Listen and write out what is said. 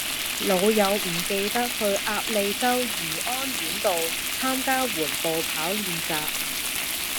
老友唔記得去鴨脷洲漁安苑道參加緩步跑練習